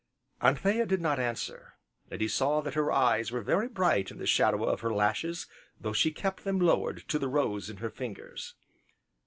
Anthea did not answer, and he saw that her eyes were very bright in the shadow of her lashes though she kept them lowered to the rose in her fingers.